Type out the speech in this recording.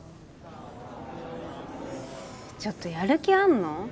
ちょっとやる気あんの？